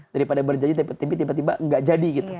daripada berjanji tiba tiba gak jadi gitu